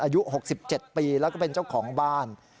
อายุ๖๗ปีแล้วก็เป็นเจ้าของบ้าน